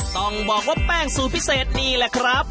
ต้องบอกว่าแป้งสูตรพิเศษนี่แหละครับ